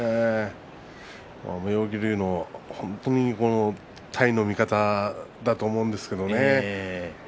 妙義龍の本当に、体の見方だと思うんですけれど。